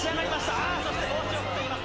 ああ、そして帽子を振っています。